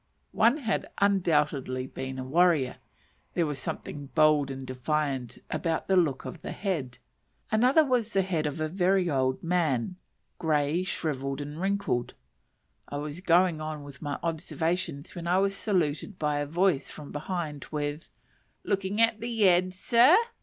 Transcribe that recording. One had undoubtedly been a warrior; there was something bold and defiant about the look of the head. Another was the head of a very old man, grey, shrivelled, and wrinkled. I was going on with my observations when I was saluted by a voice from behind with, "Looking at the eds, sir?"